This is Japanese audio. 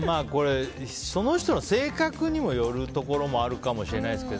その人の性格にもよるところもあるかもしれないですね。